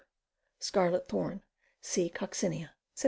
Scarlet Thorn. C. coccinea. Sep.